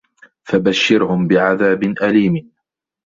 فَبَشِّرهُم بِعَذابٍ أَليمٍ